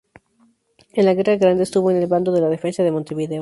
En la Guerra Grande estuvo en el bando de la Defensa de Montevideo.